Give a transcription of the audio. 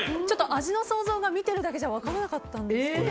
味の想像が見ているだけじゃ分からなかったんですけど。